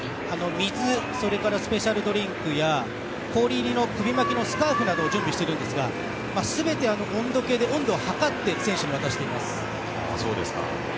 水、それからスペシャルドリンクや氷入りの首巻のスカーフなどを準備しているんですが全て温度計で温度を測って選手に渡しています。